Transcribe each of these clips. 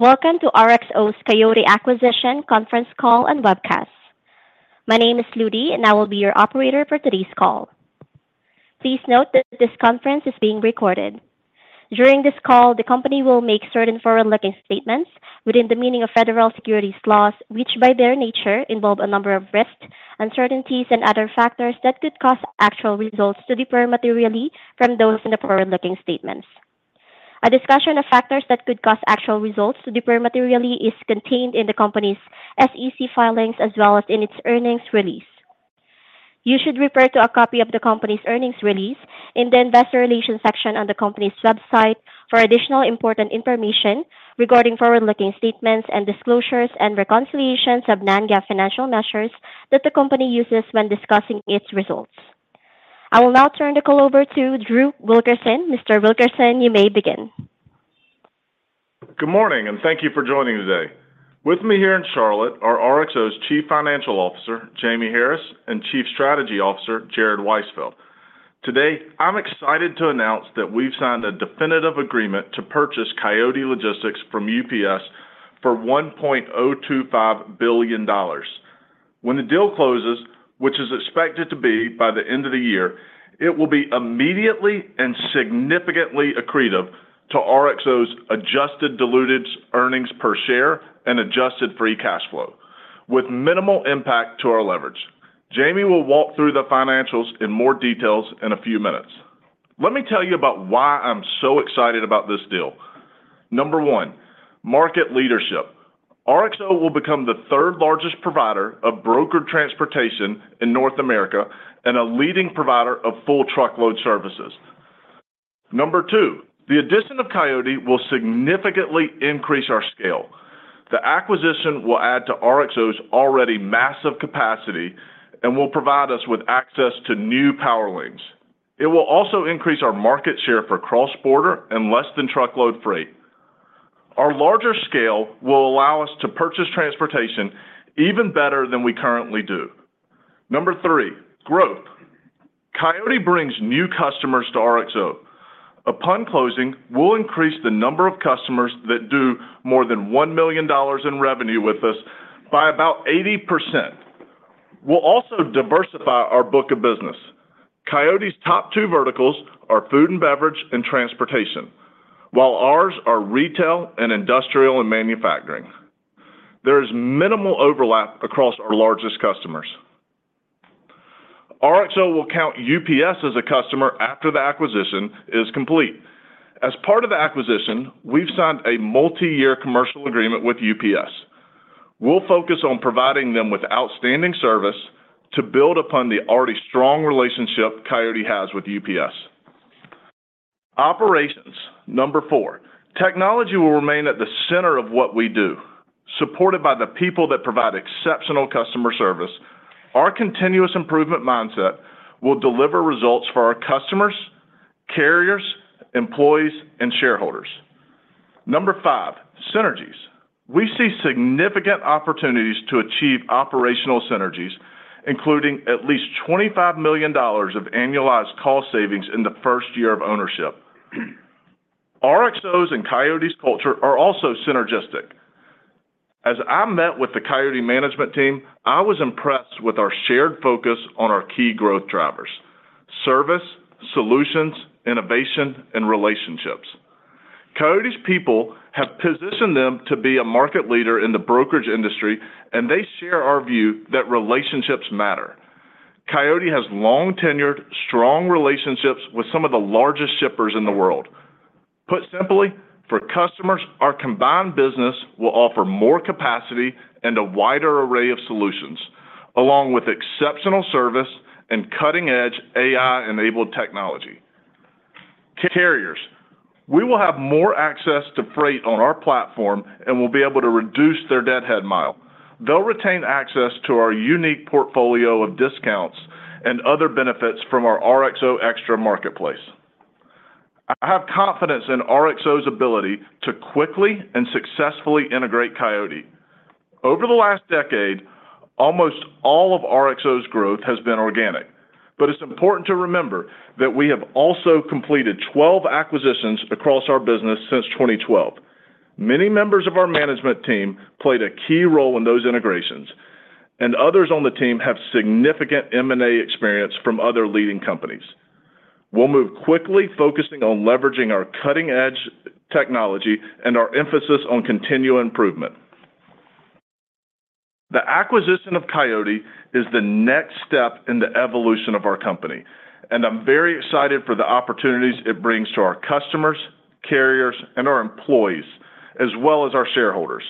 Welcome to RXO's Coyote Acquisition conference call and webcast. My name is Ludy, and I will be your operator for today's call. Please note that this conference is being recorded. During this call, the company will make certain forward-looking statements within the meaning of federal securities laws, which, by their nature, involve a number of risks, uncertainties, and other factors that could cause actual results to differ materially from those in the forward-looking statements. A discussion of factors that could cause actual results to differ materially is contained in the company's SEC filings, as well as in its earnings release. You should refer to a copy of the company's earnings release in the Investor Relations section on the company's website for additional important information regarding forward-looking statements and disclosures and reconciliations of non-GAAP financial measures that the company uses when discussing its results. I will now turn the call over to Drew Wilkerson. Mr. Wilkerson, you may begin. Good morning, and thank you for joining today. With me here in Charlotte are RXO's Chief Financial Officer, Jamie Harris, and Chief Strategy Officer, Jared Weisfeld. Today, I'm excited to announce that we've signed a definitive agreement to purchase Coyote Logistics from UPS for $1.025 billion. When the deal closes, which is expected to be by the end of the year, it will be immediately and significantly accretive to RXO's adjusted diluted earnings per share and adjusted free cash flow, with minimal impact to our leverage. Jamie will walk through the financials in more details in a few minutes. Let me tell you about why I'm so excited about this deal. Number one, market leadership. RXO will become the third-largest provider of brokered transportation in North America and a leading provider of full truckload services. Number two, the addition of Coyote will significantly increase our scale. The acquisition will add to RXO's already massive capacity and will provide us with access to new power lanes. It will also increase our market share for cross-border and less-than-truckload freight. Our larger scale will allow us to purchase transportation even better than we currently do. Number three, growth. Coyote brings new customers to RXO. Upon closing, we'll increase the number of customers that do more than $1 million in revenue with us by about 80%. We'll also diversify our book of business. Coyote's top two verticals are food and beverage and transportation, while ours are retail and industrial and manufacturing. There is minimal overlap across our largest customers. RXO will count UPS as a customer after the acquisition is complete. As part of the acquisition, we've signed a multi-year commercial agreement with UPS. We'll focus on providing them with outstanding service to build upon the already strong relationship Coyote has with UPS. Operations, number four. Technology will remain at the center of what we do, supported by the people that provide exceptional customer service. Our continuous improvement mindset will deliver results for our customers, carriers, employees, and shareholders. Number five, synergies. We see significant opportunities to achieve operational synergies, including at least $25 million of annualized cost savings in the first year of ownership. RXO's and Coyote's culture are also synergistic. As I met with the Coyote management team, I was impressed with our shared focus on our key growth drivers: service, solutions, innovation, and relationships. Coyote's people have positioned them to be a market leader in the brokerage industry, and they share our view that relationships matter. Coyote has long-tenured, strong relationships with some of the largest shippers in the world. Put simply, for customers, our combined business will offer more capacity and a wider array of solutions, along with exceptional service and cutting-edge AI-enabled technology. Carriers, we will have more access to freight on our platform and will be able to reduce their deadhead miles. They'll retain access to our unique portfolio of discounts and other benefits from our RXO Extra Marketplace. I have confidence in RXO's ability to quickly and successfully integrate Coyote. Over the last decade, almost all of RXO's growth has been organic, but it's important to remember that we have also completed 12 acquisitions across our business since 2012. Many members of our management team played a key role in those integrations, and others on the team have significant M&A experience from other leading companies. We'll move quickly, focusing on leveraging our cutting-edge technology and our emphasis on continual improvement. The acquisition of Coyote is the next step in the evolution of our company, and I'm very excited for the opportunities it brings to our customers, carriers, and our employees, as well as our shareholders.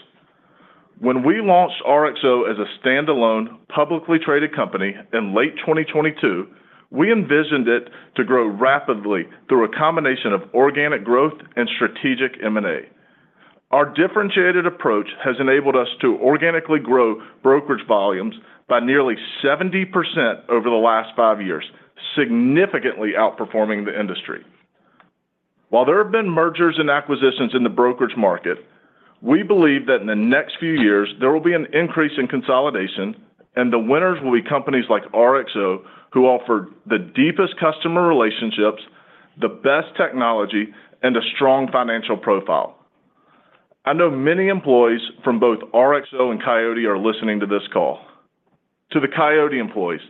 When we launched RXO as a standalone, publicly traded company in late 2022, we envisioned it to grow rapidly through a combination of organic growth and strategic M&A. Our differentiated approach has enabled us to organically grow brokerage volumes by nearly 70% over the last five years, significantly outperforming the industry. While there have been mergers and acquisitions in the brokerage market, we believe that in the next few years, there will be an increase in consolidation, and the winners will be companies like RXO, who offer the deepest customer relationships, the best technology, and a strong financial profile. I know many employees from both RXO and Coyote are listening to this call. To the Coyote employees,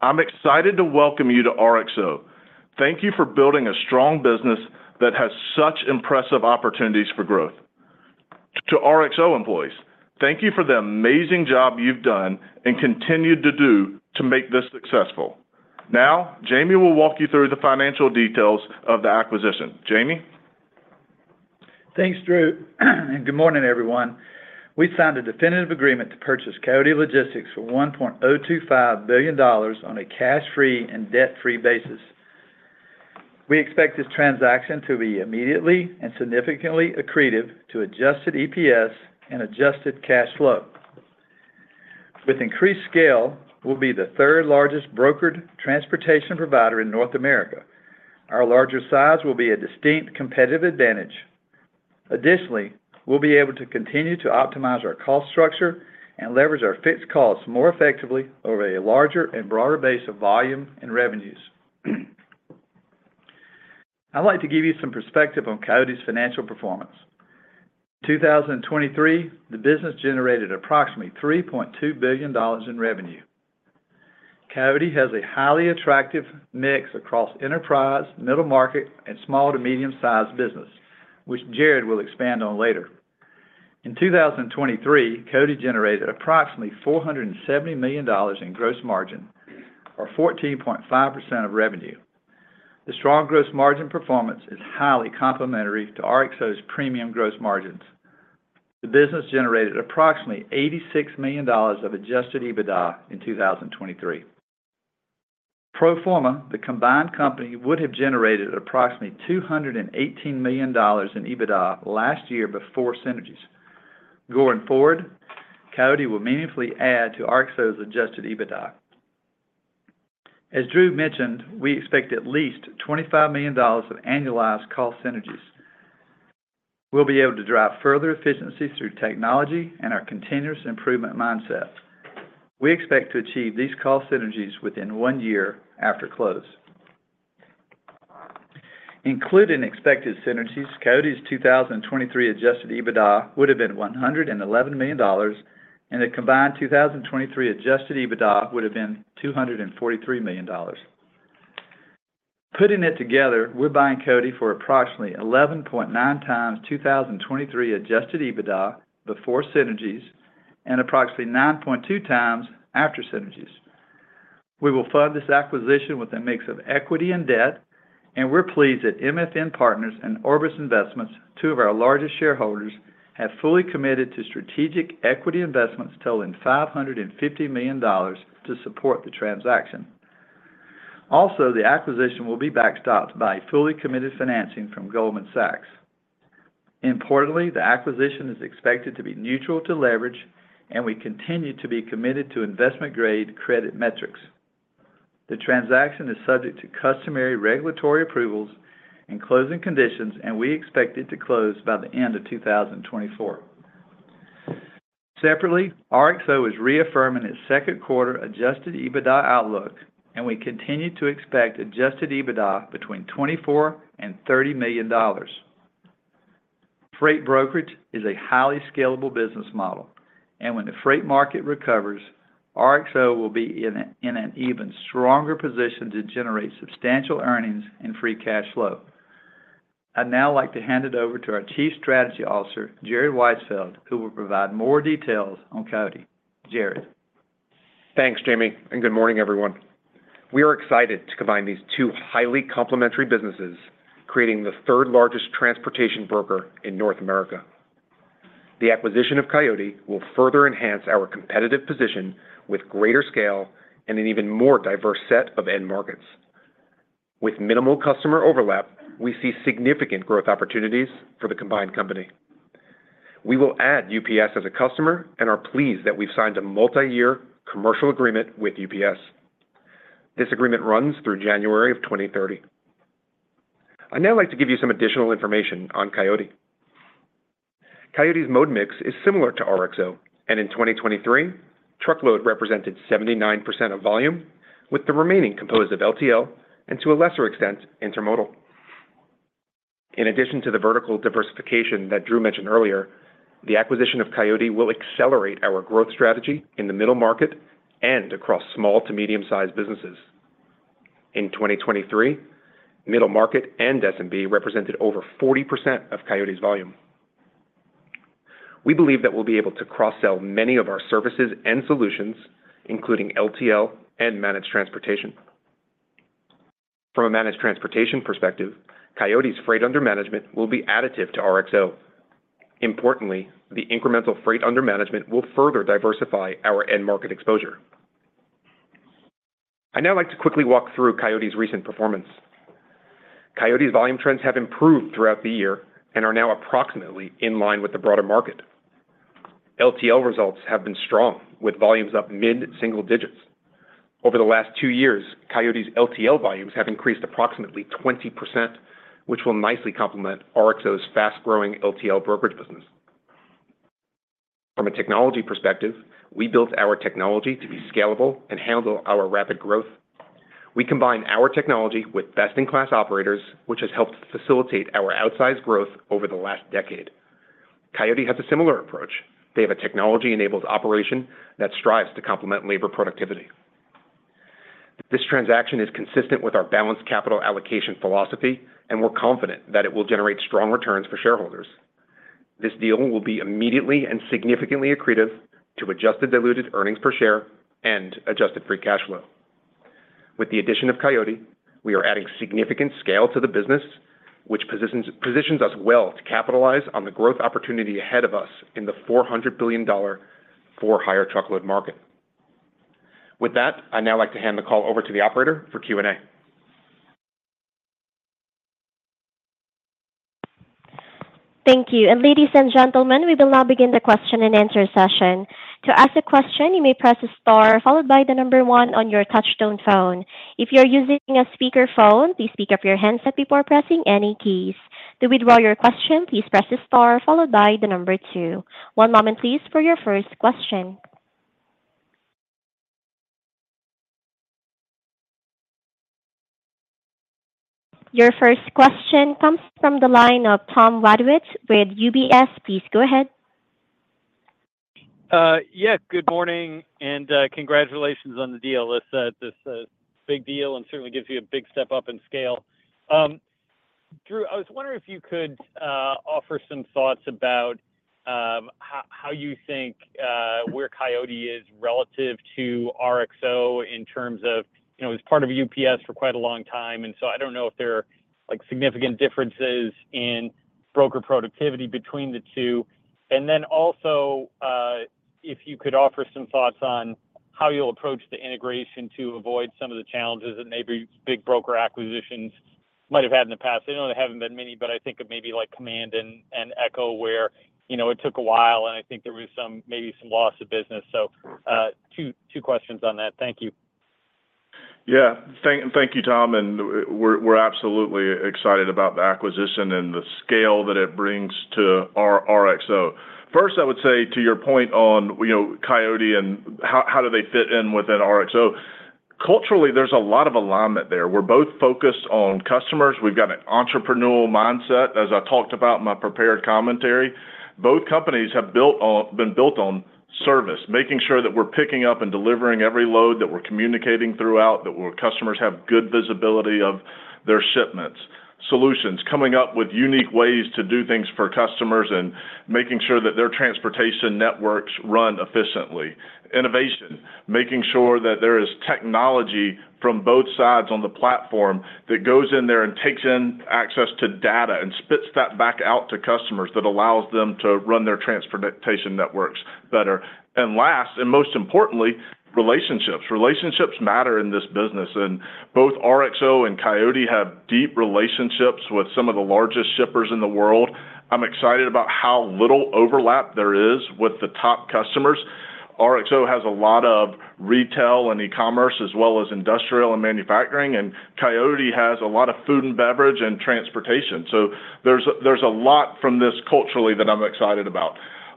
I'm excited to welcome you to RXO. Thank you for building a strong business that has such impressive opportunities for growth. To RXO employees, thank you for the amazing job you've done and continued to do to make this successful. Now, Jamie will walk you through the financial details of the acquisition. Jamie? Thanks, Drew, and good morning, everyone. We signed a definitive agreement to purchase Coyote Logistics for $1.025 billion on a cash-free and debt-free basis. We expect this transaction to be immediately and significantly accretive to Adjusted EPS and Adjusted cash flow. With increased scale, we'll be the third-largest brokered transportation provider in North America. Our larger size will be a distinct competitive advantage. Additionally, we'll be able to continue to optimize our cost structure and leverage our fixed costs more effectively over a larger and broader base of volume and revenues. I'd like to give you some perspective on Coyote's financial performance. 2023, the business generated approximately $3.2 billion in revenue. Coyote has a highly attractive mix across enterprise, middle market, and small to medium-sized business, which Jared will expand on later. In 2023, Coyote generated approximately $470 million in gross margin, or 14.5% of revenue. The strong gross margin performance is highly complementary to RXO's premium gross margins. The business generated approximately $86 million of Adjusted EBITDA in 2023. Pro forma, the combined company would have generated approximately $218 million in EBITDA last year before synergies. Going forward, Coyote will meaningfully add to RXO's Adjusted EBITDA. As Drew mentioned, we expect at least $25 million of annualized cost synergies. We'll be able to drive further efficiency through technology and our continuous improvement mindset. We expect to achieve these cost synergies within one year after close. Including expected synergies, Coyote's 2023 Adjusted EBITDA would have been $111 million, and the combined 2023 Adjusted EBITDA would have been $243 million. Putting it together, we're buying Coyote for approximately 11.9x 2023 Adjusted EBITDA before synergies and approximately 9.2x after synergies. We will fund this acquisition with a mix of equity and debt, and we're pleased that MFN Partners and Orbis Investments, two of our largest shareholders, have fully committed to strategic equity investments totaling $550 million to support the transaction. Also, the acquisition will be backstopped by fully committed financing from Goldman Sachs. Importantly, the acquisition is expected to be neutral to leverage, and we continue to be committed to investment-grade credit metrics. The transaction is subject to customary regulatory approvals and closing conditions, and we expect it to close by the end of 2024. Separately, RXO is reaffirming its second quarter Adjusted EBITDA outlook, and we continue to expect Adjusted EBITDA between $24 million and $30 million. Freight brokerage is a highly scalable business model, and when the freight market recovers, RXO will be in an even stronger position to generate substantial earnings and free cash flow. I'd now like to hand it over to our Chief Strategy Officer, Jared Weisfeld, who will provide more details on Coyote. Jared? Thanks, Jamie, and good morning, everyone. We are excited to combine these two highly complementary businesses, creating the third-largest transportation broker in North America. The acquisition of Coyote will further enhance our competitive position with greater scale and an even more diverse set of end markets. With minimal customer overlap, we see significant growth opportunities for the combined company. We will add UPS as a customer and are pleased that we've signed a multiyear commercial agreement with UPS. This agreement runs through January of 2030. I'd now like to give you some additional information on Coyote. Coyote's mode mix is similar to RXO, and in 2023, truckload represented 79% of volume, with the remaining composed of LTL and, to a lesser extent, intermodal. In addition to the vertical diversification that Drew mentioned earlier, the acquisition of Coyote will accelerate our growth strategy in the middle market and across small to medium-sized businesses. In 2023, middle market and SMB represented over 40% of Coyote's volume. We believe that we'll be able to cross-sell many of our services and solutions, including LTL and managed transportation. From a managed transportation perspective, Coyote's freight under management will be additive to RXO. Importantly, the incremental freight under management will further diversify our end market exposure. I'd now like to quickly walk through Coyote's recent performance. Coyote's volume trends have improved throughout the year and are now approximately in line with the broader market. LTL results have been strong, with volumes up mid-single digits. Over the last two years, Coyote's LTL volumes have increased approximately 20%, which will nicely complement RXO's fast-growing LTL brokerage business. From a technology perspective, we built our technology to be scalable and handle our rapid growth. We combine our technology with best-in-class operators, which has helped facilitate our outsized growth over the last decade. Coyote has a similar approach. They have a technology-enabled operation that strives to complement labor productivity. This transaction is consistent with our balanced capital allocation philosophy, and we're confident that it will generate strong returns for shareholders. This deal will be immediately and significantly accretive to Adjusted diluted earnings per share and adjusted free cash flow. With the addition of Coyote, we are adding significant scale to the business, which positions us well to capitalize on the growth opportunity ahead of us in the $400 billion for-hire truckload market. With that, I'd now like to hand the call over to the operator for Q&A. Thank you. And ladies and gentlemen, we will now begin the question-and-answer session. To ask a question, you may press star followed by the number one on your touchtone phone. If you're using a speakerphone, please pick up your handset before pressing any keys. To withdraw your question, please press star followed by the number two. One moment, please, for your first question. Your first question comes from the line of Tom Wadewitz with UBS. Please go ahead. Yeah, good morning, and congratulations on the deal. This, this big deal and certainly gives you a big step up in scale. Drew, I was wondering if you could offer some thoughts about how you think where Coyote is relative to RXO in terms of, you know, it was part of UPS for quite a long time, and so I don't know if there are, like, significant differences in broker productivity between the two. And then also, if you could offer some thoughts on how you'll approach the integration to avoid some of the challenges that maybe big broker acquisitions might have had in the past. I know there haven't been many, but I think of maybe like Command and Echo, where, you know, it took a while, and I think there was some—maybe some loss of business. Two questions on that. Thank you. Yeah. Thank you, Tom, and we're absolutely excited about the acquisition and the scale that it brings to our RXO. First, I would say to your point on, you know, Coyote and how do they fit in within RXO? Culturally, there's a lot of alignment there. We're both focused on customers. We've got an entrepreneurial mindset, as I talked about in my prepared commentary. Both companies have been built on service, making sure that we're picking up and delivering every load, that we're communicating throughout, that our customers have good visibility of their shipments. Solutions, coming up with unique ways to do things for customers and making sure that their transportation networks run efficiently. Innovation, making sure that there is technology from both sides on the platform that goes in there and takes in access to data and spits that back out to customers that allows them to run their transportation networks better. And last, and most importantly, relationships. Relationships matter in this business, and both RXO and Coyote have deep relationships with some of the largest shippers in the world. I'm excited about how little overlap there is with the top customers. RXO has a lot of retail and e-commerce, as well as industrial and manufacturing, and Coyote has a lot of food and beverage and transportation. So there's, there's a lot from this culturally that I'm excited about.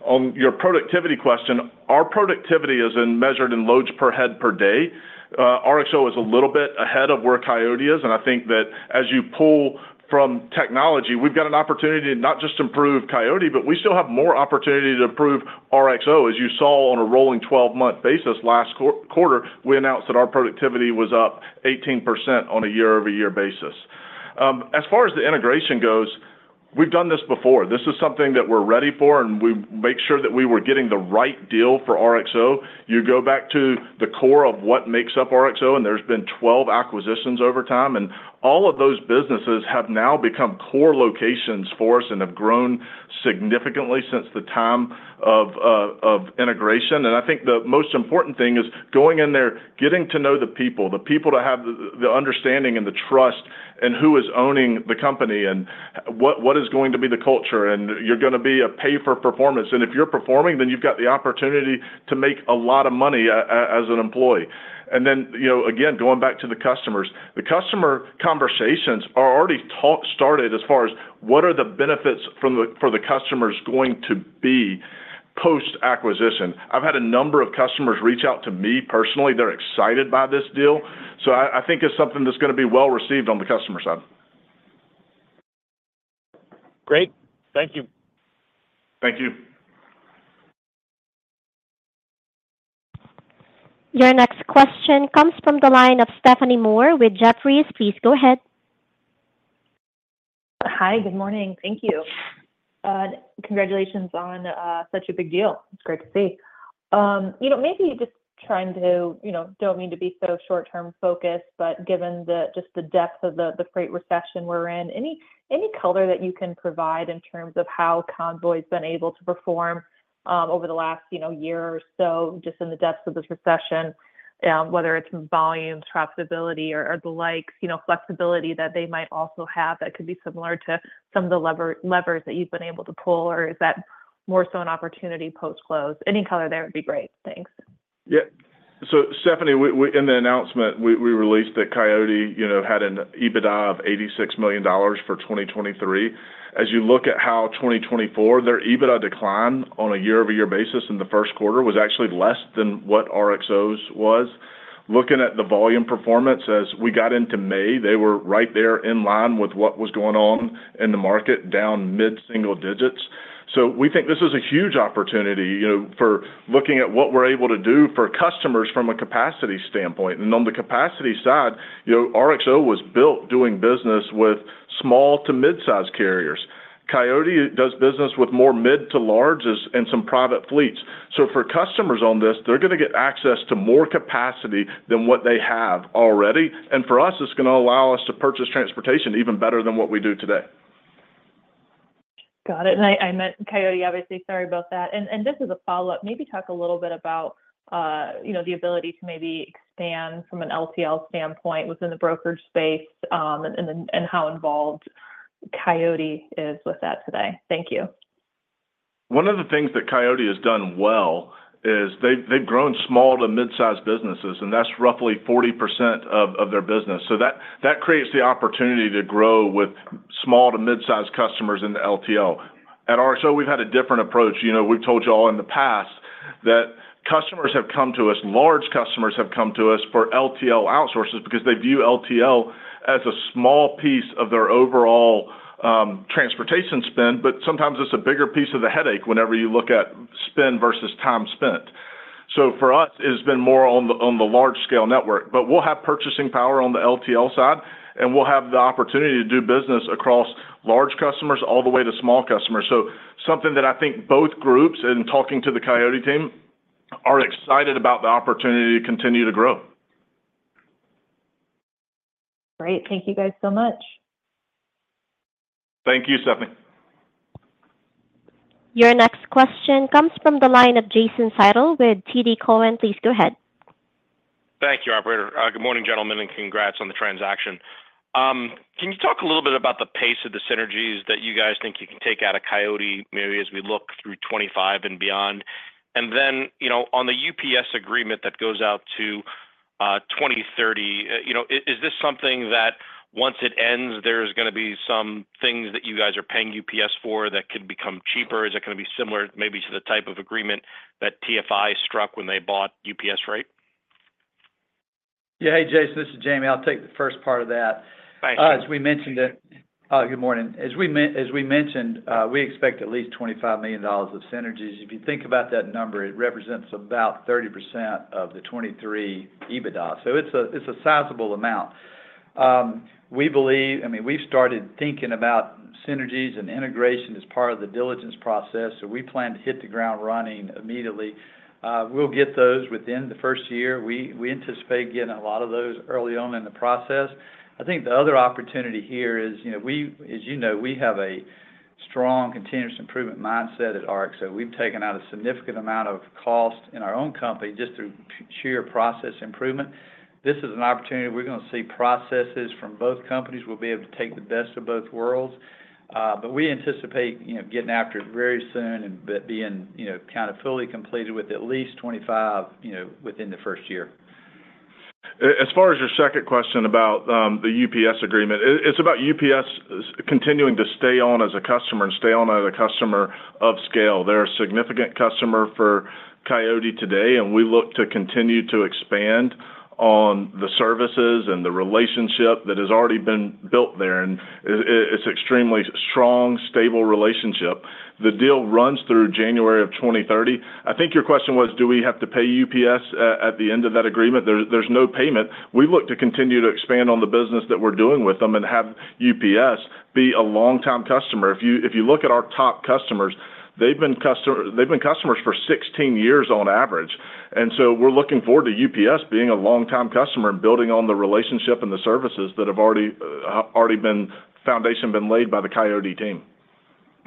On your productivity question, our productivity is measured in loads per head per day. RXO is a little bit ahead of where Coyote is, and I think that as you pull from technology, we've got an opportunity to not just improve Coyote, but we still have more opportunity to improve RXO. As you saw on a rolling 12-month basis last quarter, we announced that our productivity was up 18% on a year-over-year basis. As far as the integration goes, we've done this before. This is something that we're ready for, and we make sure that we were getting the right deal for RXO. You go back to the core of what makes up RXO, and there's been 12 acquisitions over time, and all of those businesses have now become core locations for us and have grown significantly since the time of integration. I think the most important thing is going in there, getting to know the people, to have the understanding and the trust in who is owning the company and what is going to be the culture, and you're gonna be pay for performance. If you're performing, then you've got the opportunity to make a lot of money as an employee. Then, you know, again, going back to the customers. The customer conversations are already started talking as far as what are the benefits from the acquisition for the customers going to be post-acquisition? I've had a number of customers reach out to me personally. They're excited by this deal, so I think it's something that's gonna be well-received on the customer side. Great. Thank you. Thank you. Your next question comes from the line of Stephanie Moore with Jefferies. Please go ahead. Hi, good morning. Thank you. Congratulations on such a big deal. It's great to see. You know, maybe just trying to, you know, don't mean to be so short-term focused, but given just the depth of the freight recession we're in, any color that you can provide in terms of how Coyote's been able to perform over the last, you know, year or so, just in the depths of this recession, whether it's volumes, profitability or the likes, you know, flexibility that they might also have that could be similar to some of the levers that you've been able to pull, or is that more so an opportunity post-close? Any color there would be great. Thanks. Yeah. So Stephanie, in the announcement, we released that Coyote, you know, had an EBITDA of $86 million for 2023. As you look at how 2024, their EBITDA decline on a year-over-year basis in the first quarter was actually less than what RXO's was. Looking at the volume performance as we got into May, they were right there in line with what was going on in the market, down mid-single digits. So we think this is a huge opportunity, you know, for looking at what we're able to do for customers from a capacity standpoint. And on the capacity side, you know, RXO was built doing business with small to mid-size carriers. Coyote does business with more mid to larges and some private fleets. So for customers on this, they're going to get access to more capacity than what they have already. For us, it's going to allow us to purchase transportation even better than what we do today. Got it. And I, I meant Coyote, obviously. Sorry about that. And just as a follow-up, maybe talk a little bit about, you know, the ability to maybe expand from an LTL standpoint within the broker space, and then, and how involved Coyote is with that today. Thank you. One of the things that Coyote has done well is they've, they've grown small to mid-sized businesses, and that's roughly 40% of, of their business. So that, that creates the opportunity to grow with small to mid-sized customers in the LTL. At RXO, we've had a different approach. You know, we've told you all in the past that customers have come to us, large customers have come to us for LTL outsources because they view LTL as a small piece of their overall, transportation spend, but sometimes it's a bigger piece of the headache whenever you look at spend versus time spent. So for us, it's been more on the, on the large scale network, but we'll have purchasing power on the LTL side, and we'll have the opportunity to do business across large customers all the way to small customers. Something that I think both groups, in talking to the Coyote team, are excited about the opportunity to continue to grow. Great. Thank you guys so much. Thank you, Stephanie. Your next question comes from the line of Jason Seidl with TD Cowen. Please go ahead. Thank you, operator. Good morning, gentlemen, and congrats on the transaction. Can you talk a little bit about the pace of the synergies that you guys think you can take out of Coyote, maybe as we look through 2025 and beyond? And then, you know, on the UPS agreement that goes out to 2030, you know, is this something that once it ends, there's going to be some things that you guys are paying UPS for that could become cheaper? Is it going to be similar maybe to the type of agreement that TFI struck when they bought UPS Freight? Yeah. Hey, Jason, this is Jamie. I'll take the first part of that. Thanks. Good morning. As we mentioned, we expect at least $25 million of synergies. If you think about that number, it represents about 30% of the $23 million EBITDA. So it's a sizable amount. We believe, I mean, we've started thinking about synergies and integration as part of the diligence process, so we plan to hit the ground running immediately. We'll get those within the first year. We anticipate getting a lot of those early on in the process. I think the other opportunity here is, you know, we, as you know, we have a strong continuous improvement mindset at RXO. We've taken out a significant amount of cost in our own company just through sheer process improvement. This is an opportunity. We're going to see processes from both companies. We'll be able to take the best of both worlds, but we anticipate, you know, getting after it very soon and, but being, you know, kind of fully completed with at least 25, you know, within the first year. As far as your second question about the UPS agreement, it's about UPS continuing to stay on as a customer and stay on as a customer of scale. They're a significant customer for Coyote today, and we look to continue to expand on the services and the relationship that has already been built there, and it's extremely strong, stable relationship. The deal runs through January 2030. I think your question was, do we have to pay UPS at the end of that agreement? There's no payment. We look to continue to expand on the business that we're doing with them and have UPS be a long-term customer. If you look at our top customers, they've been customers for 16 years on average, and so we're looking forward to UPS being a long-time customer and building on the relationship and the services that have already been foundationally laid by the Coyote team.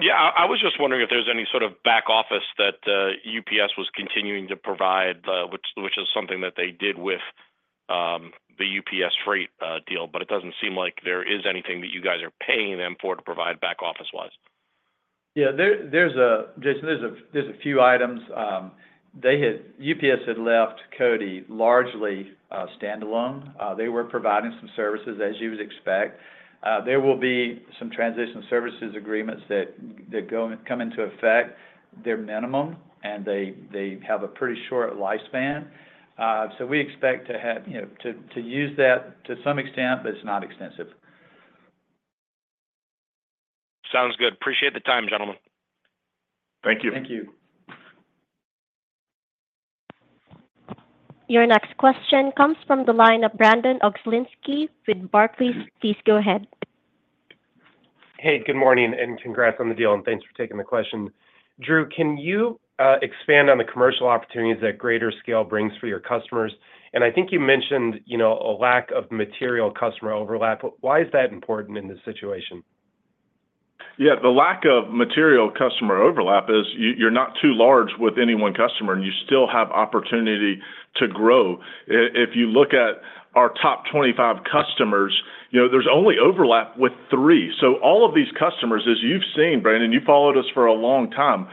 Yeah, I was just wondering if there's any sort of back office that UPS was continuing to provide, which is something that they did with the UPS freight deal, but it doesn't seem like there is anything that you guys are paying them for to provide back office-wise. Yeah, Jason, there's a few items. UPS had left Coyote largely standalone. They were providing some services, as you would expect. There will be some transition services agreements that come into effect. They're minimum, and they have a pretty short lifespan. So we expect to have, you know, to use that to some extent, but it's not extensive. Sounds good. Appreciate the time, gentlemen. Thank you. Thank you. Your next question comes from the line of Brandon Oglenski with Barclays. Please go ahead. Hey, good morning, and congrats on the deal, and thanks for taking the question. Drew, can you expand on the commercial opportunities that greater scale brings for your customers? And I think you mentioned, you know, a lack of material customer overlap, but why is that important in this situation? Yeah, the lack of material customer overlap is, you're not too large with any one customer, and you still have opportunity to grow. If you look at our top 25 customers, you know, there's only overlap with three. So all of these customers, as you've seen, Brandon, you followed us for a long time.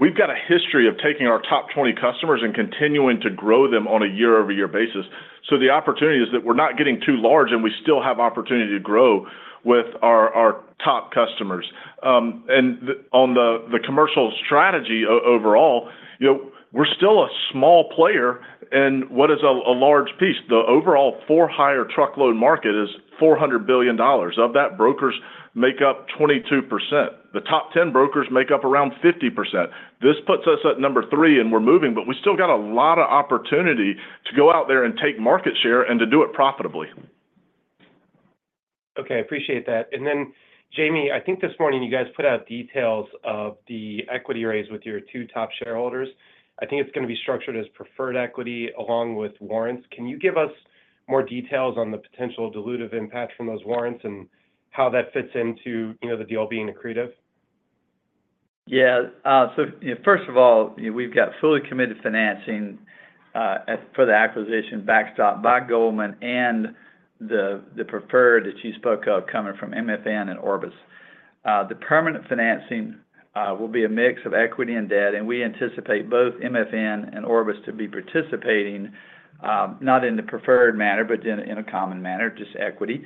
We've got a history of taking our top 20 customers and continuing to grow them on a year-over-year basis. So the opportunity is that we're not getting too large, and we still have opportunity to grow with our top customers. And on the commercial strategy overall, you know, we're still a small player in what is a large piece. The overall for-hire truckload market is $400 billion. Of that, brokers make up 22%. The top 10 brokers make up around 50%. This puts us at number three, and we're moving, but we still got a lot of opportunity to go out there and take market share and to do it profitably. Okay, appreciate that. And then, Jamie, I think this morning you guys put out details of the equity raise with your two top shareholders. I think it's gonna be structured as preferred equity along with warrants. Can you give us more details on the potential dilutive impact from those warrants and how that fits into, you know, the deal being accretive? Yeah, so, you know, first of all, we've got fully committed financing, as for the acquisition, backstopped by Goldman and the preferred that you spoke of coming from MFN and Orbis. The permanent financing will be a mix of equity and debt, and we anticipate both MFN and Orbis to be participating, not in the preferred manner, but in a common manner, just equity.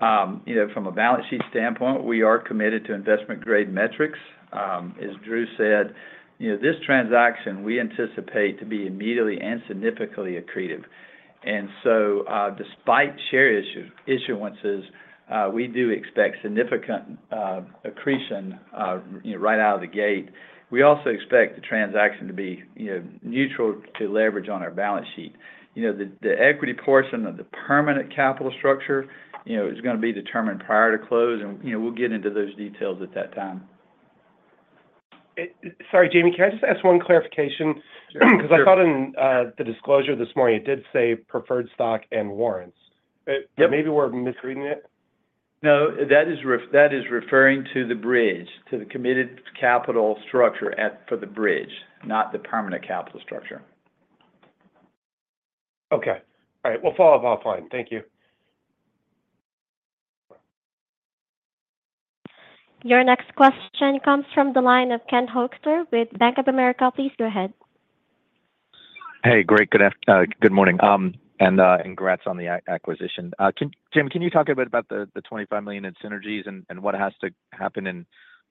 You know, from a balance sheet standpoint, we are committed to investment-grade metrics. As Drew said, you know, this transaction, we anticipate to be immediately and significantly accretive. And so, despite share issuances, we do expect significant accretion, you know, right out of the gate. We also expect the transaction to be, you know, neutral to leverage on our balance sheet. You know, the equity portion of the permanent capital structure, you know, is gonna be determined prior to close, and, you know, we'll get into those details at that time. Sorry, Jamie, can I just ask one clarification? Sure. 'Cause I thought in the disclosure this morning, it did say preferred stock and warrants. Yep. But maybe we're misreading it? No, that is referring to the bridge, to the committed capital structure for the bridge, not the permanent capital structure. Okay. All right. We'll follow up offline. Thank you. Your next question comes from the line of Ken Hoexter with Bank of America. Please go ahead. Hey, great. Good morning, and congrats on the acquisition. Jim, can you talk a bit about the $25 million in synergies and what has to happen and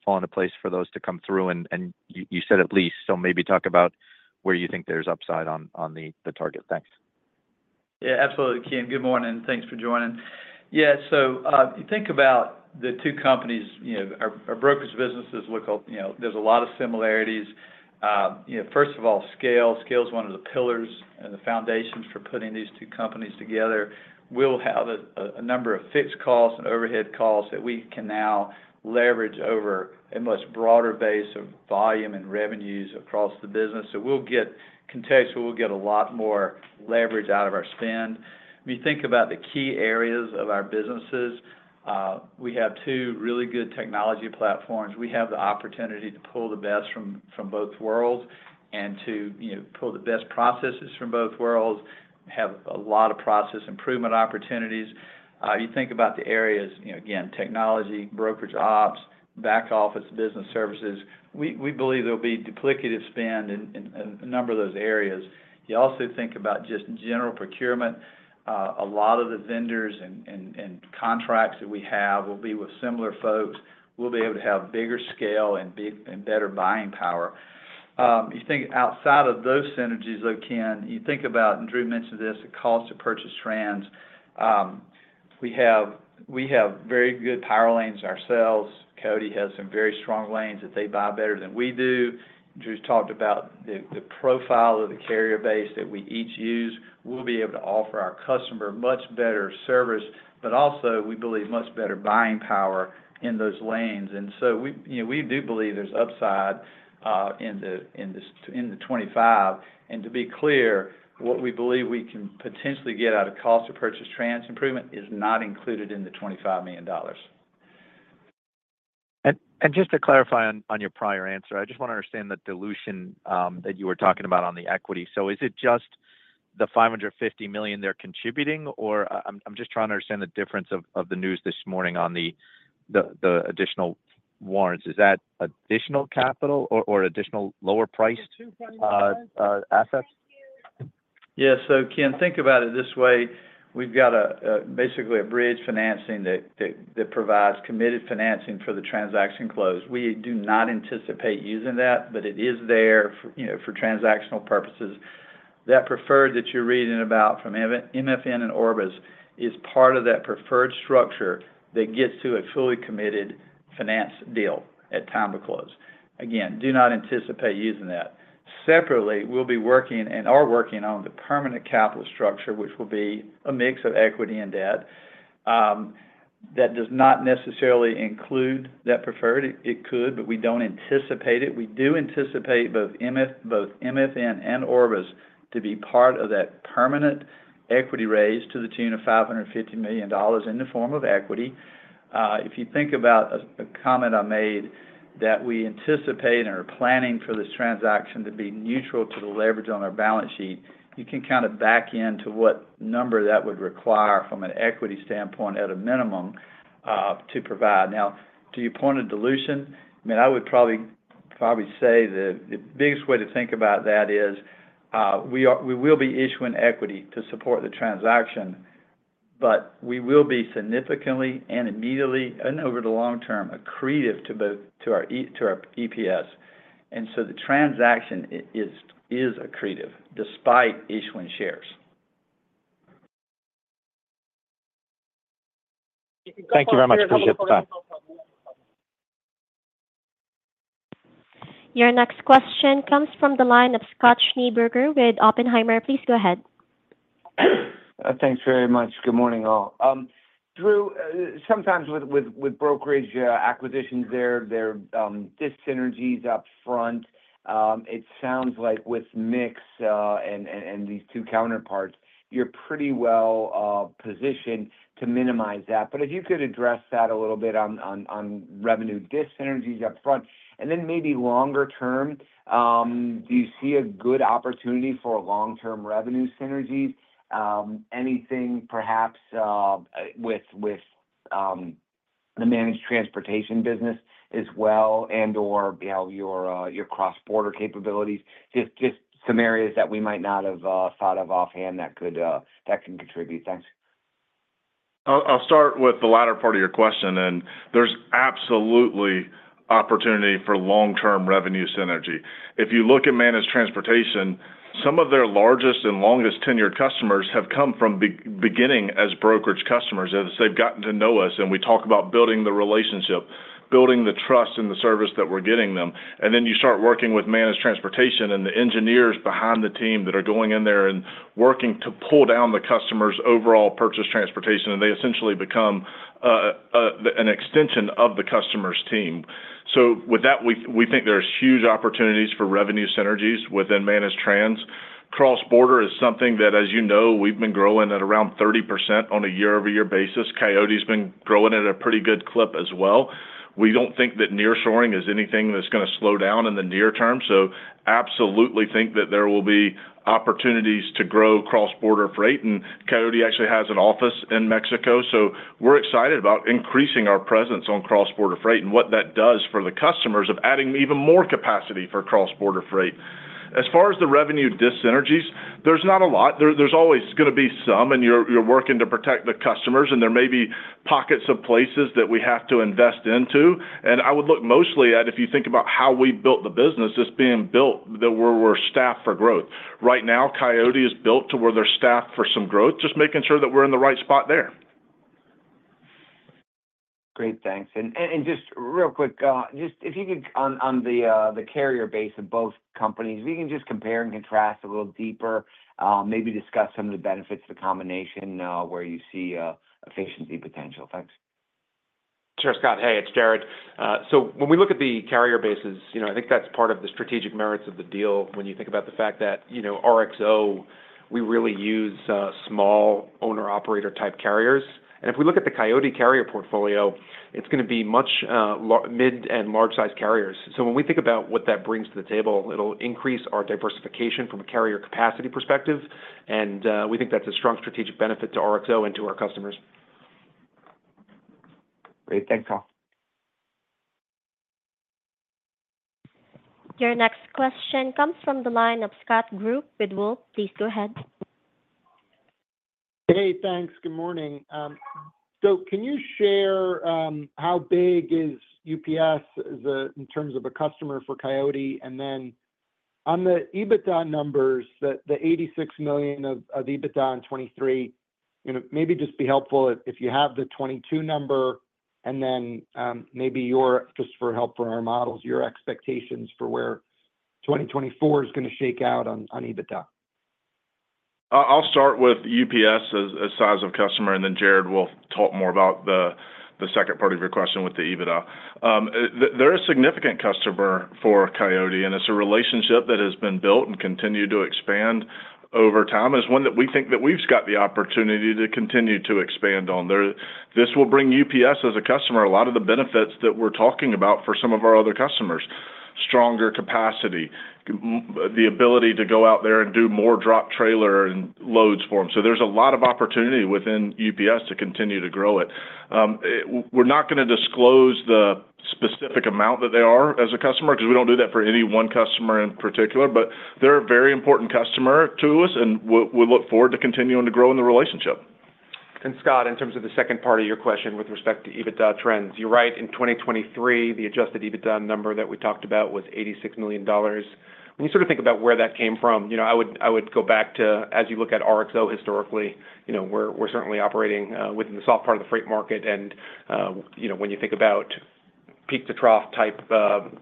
fall into place for those to come through? And you said at least, so maybe talk about where you think there's upside on the target. Thanks. Yeah, absolutely, Ken. Good morning, and thanks for joining. Yeah, so, you think about the two companies, you know, our, our brokerage businesses look, you know, there's a lot of similarities. You know, first of all, scale. Scale is one of the pillars and the foundations for putting these two companies together. We'll have a number of fixed costs and overhead costs that we can now leverage over a much broader base of volume and revenues across the business. So we'll get context, we'll get a lot more leverage out of our spend. If you think about the key areas of our businesses, we have two really good technology platforms. We have the opportunity to pull the best from both worlds and to, you know, pull the best processes from both worlds, have a lot of process improvement opportunities. You think about the areas, you know, again, technology, brokerage ops, back office, business services, we believe there will be duplicative spend in a number of those areas. You also think about just general procurement. A lot of the vendors and contracts that we have will be with similar folks. We'll be able to have bigger scale and better buying power. You think outside of those synergies, though, Ken, you think about, and Drew mentioned this, the cost to purchase trans. We have very good power lanes ourselves. Coyote has some very strong lanes that they buy better than we do. Drew talked about the profile of the carrier base that we each use. We'll be able to offer our customer much better service, but also, we believe, much better buying power in those lanes. And so we, you know, we do believe there's upside in the 25. And to be clear, what we believe we can potentially get out of cost to purchase trans improvement is not included in the $25 million. Just to clarify on your prior answer, I just want to understand the dilution that you were talking about on the equity. So is it just the $550 million they're contributing, or... I'm just trying to understand the difference of the news this morning on the additional warrants. Is that additional capital or additional lower priced assets? Yes. So Ken, think about it this way: we've got basically a bridge financing that provides committed financing for the transaction close. We do not anticipate using that, but it is there for, you know, for transactional purposes. That preferred that you're reading about from MFN and Orbis is part of that preferred structure that gets to a fully committed finance deal at time of close. Again, do not anticipate using that. Separately, we'll be working and are working on the permanent capital structure, which will be a mix of equity and debt. That does not necessarily include that preferred. It could, but we don't anticipate it. We do anticipate both MFN and Orbis to be part of that permanent equity raise to the tune of $550 million in the form of equity. If you think about a comment I made that we anticipate and are planning for this transaction to be neutral to the leverage on our balance sheet, you can kind of back in to what number that would require from an equity standpoint at a minimum to provide. Now, to your point of dilution, I mean, I would probably say that the biggest way to think about that is we will be issuing equity to support the transaction, but we will be significantly and immediately and over the long term accretive to both to our EPS. And so the transaction is accretive despite issuing shares. Thank you very much for your time. Your next question comes from the line of Scott Schneeberger with Oppenheimer. Please go ahead. Thanks very much. Good morning, all. Drew, sometimes with brokerage acquisitions, there are dis-synergies up front. It sounds like with Coyote and these two counterparts, you're pretty well positioned to minimize that. But if you could address that a little bit on revenue dis-synergies up front, and then maybe longer term, do you see a good opportunity for long-term revenue synergies? Anything perhaps with the managed transportation business as well, and/or, you know, your cross-border capabilities? Just some areas that we might not have thought of offhand that can contribute. Thanks. I'll start with the latter part of your question, and there's absolutely opportunity for long-term revenue synergy. If you look at managed transportation, some of their largest and longest tenured customers have come from beginning as brokerage customers, as they've gotten to know us, and we talk about building the relationship, building the trust in the service that we're getting them. And then you start working with managed transportation and the engineers behind the team that are going in there and working to pull down the customer's overall purchase transportation, and they essentially become an extension of the customer's team. So with that, we think there's huge opportunities for revenue synergies within managed trans. Cross-border is something that, as you know, we've been growing at around 30% on a year-over-year basis. Coyote's been growing at a pretty good clip as well. We don't think that nearshoring is anything that's going to slow down in the near term, so absolutely think that there will be opportunities to grow cross-border freight. Coyote actually has an office in Mexico, so we're excited about increasing our presence on cross-border freight and what that does for the customers of adding even more capacity for cross-border freight. As far as the revenue dis-synergies, there's not a lot. There's always going to be some, and you're working to protect the customers, and there may be pockets of places that we have to invest into. I would look mostly at, if you think about how we built the business, it's being built that we're staffed for growth. Right now, Coyote is built to where they're staffed for some growth, just making sure that we're in the right spot there. Great, thanks. And just real quick, just if you could on the carrier base of both companies, if you can just compare and contrast a little deeper, maybe discuss some of the benefits of the combination, where you see efficiency potential. Thanks. Sure, Scott. Hey, it's Jared. So when we look at the carrier bases, you know, I think that's part of the strategic merits of the deal. When you think about the fact that, you know, RXO, we really use small owner-operator type carriers. And if we look at the Coyote carrier portfolio, it's going to be much mid and large size carriers. So when we think about what that brings to the table, it'll increase our diversification from a carrier capacity perspective, and we think that's a strong strategic benefit to RXO and to our customers. Great. Thanks, all. Your next question comes from the line of Scott Group with Wolfe. Please go ahead. Hey, thanks. Good morning. So can you share how big is UPS as a, in terms of a customer for Coyote? And then on the EBITDA numbers, the $86 million of EBITDA in 2023, you know, maybe just be helpful if you have the 2022 number and then, maybe your, just for help for our models, your expectations for where 2024 is going to shake out on EBITDA. I'll start with UPS as size of customer, and then Jared will talk more about the second part of your question with the EBITDA. They're a significant customer for Coyote, and it's a relationship that has been built and continued to expand over time, as one that we think that we've got the opportunity to continue to expand on. This will bring UPS as a customer a lot of the benefits that we're talking about for some of our other customers: stronger capacity, the ability to go out there and do more drop trailer and loads for them. So there's a lot of opportunity within UPS to continue to grow it. We're not going to disclose the specific amount that they are as a customer, because we don't do that for any one customer in particular, but they're a very important customer to us, and we look forward to continuing to grow in the relationship. And Scott, in terms of the second part of your question with respect to EBITDA trends, you're right, in 2023, the Adjusted EBITDA number that we talked about was $86 million. When you sort of think about where that came from, you know, I would, I would go back to, as you look at RXO historically, you know, we're, we're certainly operating within the soft part of the freight market. And, you know, when you think about peak-to-trough type,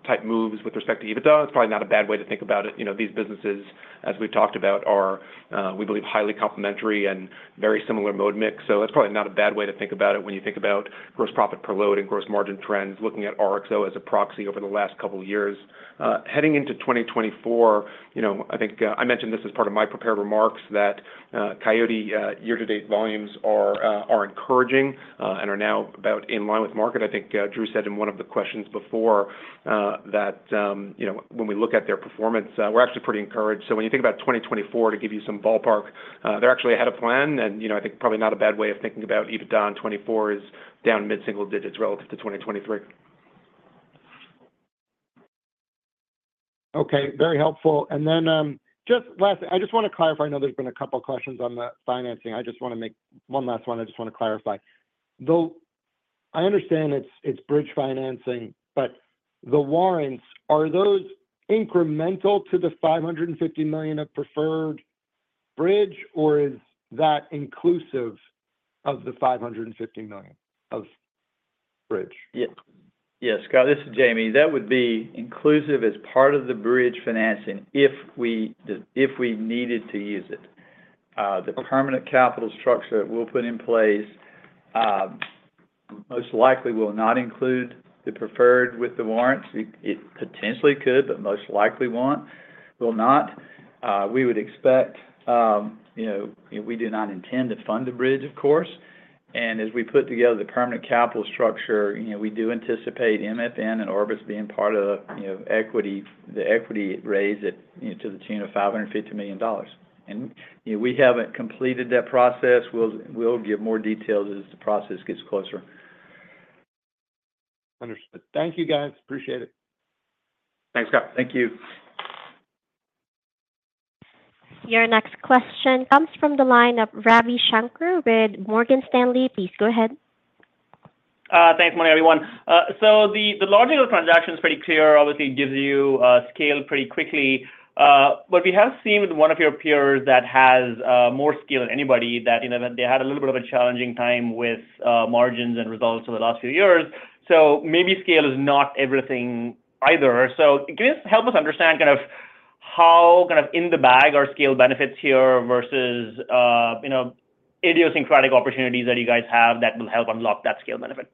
type moves with respect to EBITDA, it's probably not a bad way to think about it. You know, these businesses, as we've talked about, are, we believe, highly complementary and very similar mode mix. So it's probably not a bad way to think about it when you think about gross profit per load and gross margin trends, looking at RXO as a proxy over the last couple of years. Heading into 2024, you know, I think I mentioned this as part of my prepared remarks, that Coyote year-to-date volumes are encouraging and are now about in line with market. I think Drew said in one of the questions before that, you know, when we look at their performance, we're actually pretty encouraged. So when you think about 2024, to give you some ballpark, they're actually ahead of plan. And, you know, I think probably not a bad way of thinking about EBITDA in 2024 is down mid-single digits relative to 2023. Okay, very helpful. And then, just last thing, I just want to clarify, I know there's been a couple questions on the financing. I just want to make one last one, I just want to clarify. I understand it's bridge financing, but the warrants, are those incremental to the $550 million of preferred bridge, or is that inclusive of the $550 million of bridge? Yeah. Yeah, Scott, this is Jamie. That would be inclusive as part of the bridge financing if we needed to use it. The permanent capital structure we'll put in place most likely will not include the preferred with the warrants. It potentially could, but most likely won't, will not. We would expect, you know, we do not intend to fund the bridge, of course. And as we put together the permanent capital structure, you know, we do anticipate MFN and Orbis being part of, you know, equity, the equity raise at, you know, to the tune of $550 million. And, you know, we haven't completed that process. We'll give more details as the process gets closer. Understood. Thank you, guys. Appreciate it. Thanks, Scott. Thank you. Your next question comes from the line of Ravi Shanker with Morgan Stanley. Please go ahead. Thanks, morning, everyone. So the logical transaction is pretty clear, obviously gives you scale pretty quickly. But we have seen with one of your peers that has more scale than anybody, that, you know, they had a little bit of a challenging time with margins and results over the last few years. So maybe scale is not everything either. So can you just help us understand kind of how, kind of, in the bag are scale benefits here versus, you know, idiosyncratic opportunities that you guys have that will help unlock that scale benefit?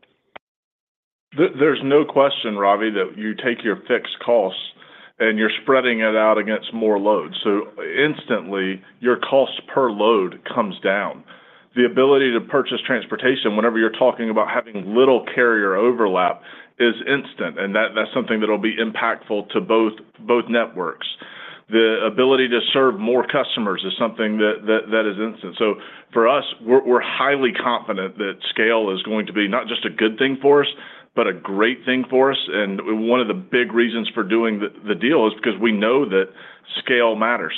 There's no question, Ravi, that you take your fixed costs, and you're spreading it out against more load. So instantly, your cost per load comes down. The ability to purchase transportation, whenever you're talking about having little carrier overlap, is instant, and that's something that'll be impactful to both networks. The ability to serve more customers is something that is instant. So for us, we're highly confident that scale is going to be not just a good thing for us, but a great thing for us. And one of the big reasons for doing the deal is because we know that scale matters.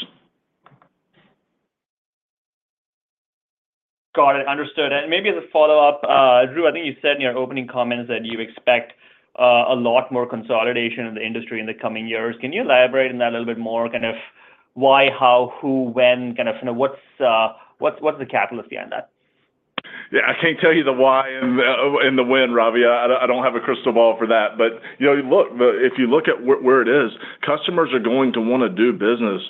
Got it. Understood. And maybe as a follow-up, Drew, I think you said in your opening comments that you expect a lot more consolidation in the industry in the coming years. Can you elaborate on that a little bit more? Kind of why, how, who, when, kind of, you know, what's the, what's, what's the catalyst behind that? Yeah, I can't tell you the why and the when, Ravi. I don't have a crystal ball for that. But, you know, look, if you look at where it is, customers are going to want to do business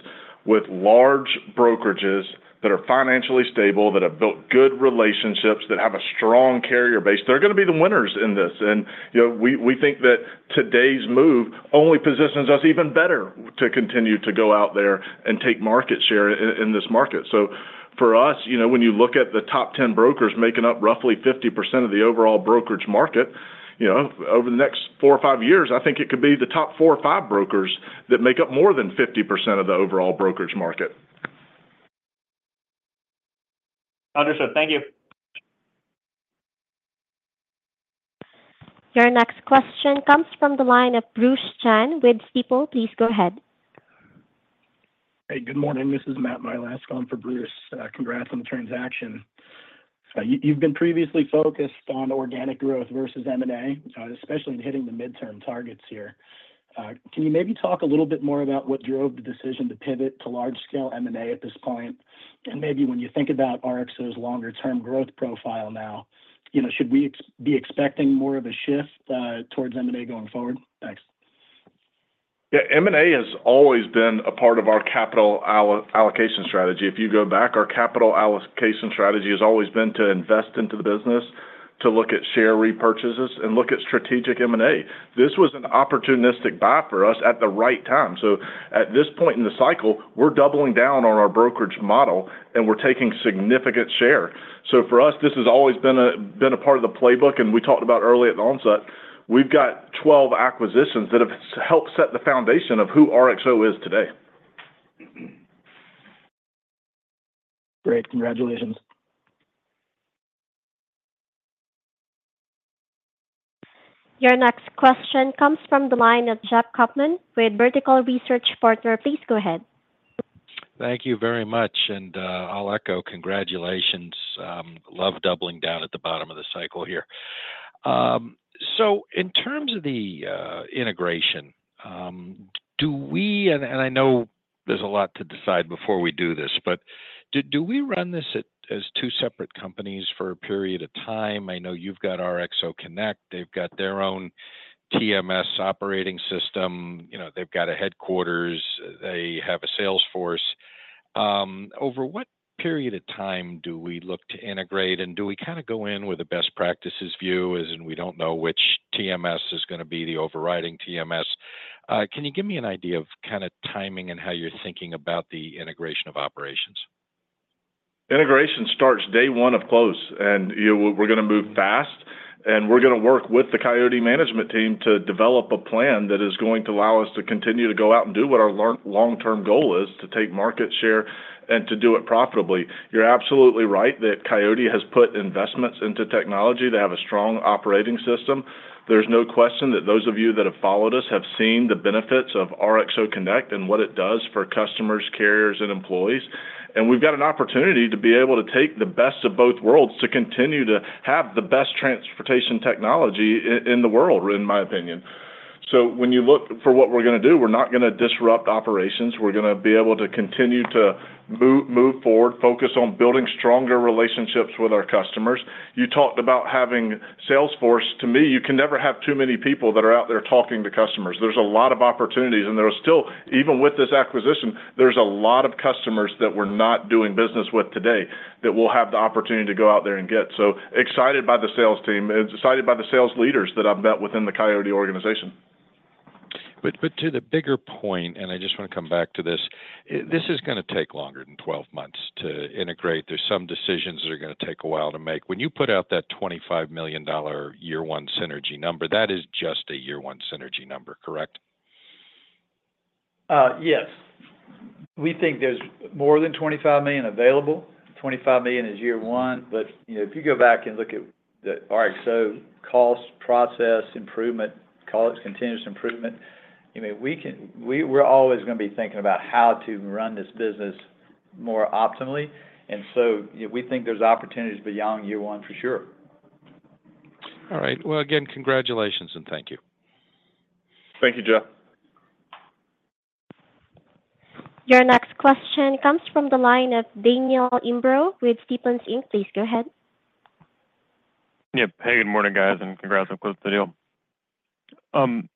with large brokerages that are financially stable, that have built good relationships, that have a strong carrier base. They're going to be the winners in this. And, you know, we think that today's move only positions us even better to continue to go out there and take market share in this market. So for us, you know, when you look at the top 10 brokers making up roughly 50% of the overall brokerage market, you know, over the next three or five years, I think it could be the top 4 or 5 brokers that make up more than 50% of the overall brokerage market. Understood. Thank you. Your next question comes from the line of Bruce Chan with Stifel. Please go ahead. Hey, good morning. This is Matt Milsk going for Bruce. Congrats on the transaction. You've been previously focused on organic growth versus M&A, especially in hitting the midterm targets here. Can you maybe talk a little bit more about what drove the decision to pivot to large-scale M&A at this point? And maybe when you think about RXO's longer-term growth profile now, you know, should we be expecting more of a shift towards M&A going forward? Thanks. Yeah, M&A has always been a part of our capital allocation strategy. If you go back, our capital allocation strategy has always been to invest into the business, to look at share repurchases and look at strategic M&A. This was an opportunistic buy for us at the right time. So at this point in the cycle, we're doubling down on our brokerage model, and we're taking significant share. So for us, this has always been a part of the playbook, and we talked about early at the onset. We've got 12 acquisitions that have helped set the foundation of who RXO is today. Great. Congratulations. Your next question comes from the line of Jeff Kauffman with Vertical Research Partners. Please go ahead. Thank you very much, and I'll echo congratulations. Love doubling down at the bottom of the cycle here. So in terms of the integration, do we and I know there's a lot to decide before we do this, but do we run this as two separate companies for a period of time? I know you've got RXO Connect. They've got their own TMS operating system. You know, they've got a headquarters. They have a sales force. Over what period of time do we look to integrate, and do we kinda go in with a best practices view, as in we don't know which TMS is gonna be the overriding TMS? Can you give me an idea of kinda timing and how you're thinking about the integration of operations? Integration starts day one of close, and, you know, we're gonna move fast... and we're gonna work with the Coyote management team to develop a plan that is going to allow us to continue to go out and do what our long, long-term goal is, to take market share and to do it profitably. You're absolutely right, that Coyote has put investments into technology. They have a strong operating system. There's no question that those of you that have followed us have seen the benefits of RXO Connect and what it does for customers, carriers, and employees. And we've got an opportunity to be able to take the best of both worlds, to continue to have the best transportation technology in the world, in my opinion. So when you look for what we're gonna do, we're not gonna disrupt operations. We're gonna be able to continue to move forward, focus on building stronger relationships with our customers. You talked about having sales force. To me, you can never have too many people that are out there talking to customers. There's a lot of opportunities, and there are still, even with this acquisition, there's a lot of customers that we're not doing business with today that we'll have the opportunity to go out there and get. So excited by the sales team and excited by the sales leaders that I've met within the Coyote organization. But to the bigger point, and I just want to come back to this, this is gonna take longer than 12 months to integrate. There's some decisions that are gonna take a while to make. When you put out that $25 million year one synergy number, that is just a year one synergy number, correct? Yes. We think there's more than $25 million available. $25 million is year one, but, you know, if you go back and look at the RXO cost, process, improvement, call it continuous improvement, I mean, we're always gonna be thinking about how to run this business more optimally, and so, you know, we think there's opportunities beyond year one for sure. All right. Well, again, congratulations, and thank you. Thank you, Jeff. Your next question comes from the line of Daniel Imbro with Stephens Inc. Please go ahead. Yeah. Hey, good morning, guys, and congrats on closing the deal.